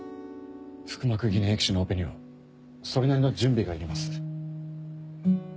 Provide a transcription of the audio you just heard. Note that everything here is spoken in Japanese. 腹膜偽粘液腫のオペにはそれなりの準備がいります。